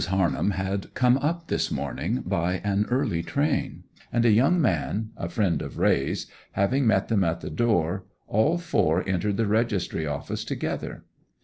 Harnham had come up this morning by an early train, and a young man—a friend of Raye's—having met them at the door, all four entered the registry office together.